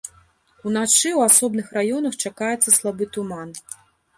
Уначы ў асобных раёнах чакаецца слабы туман.